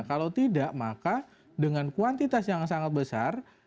kalau tidak maka dengan kuantitas yang sangat besar